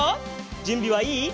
じゅんびはいい？